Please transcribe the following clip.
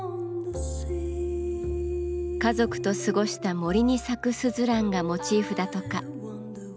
家族と過ごした森に咲くスズランがモチーフだとか。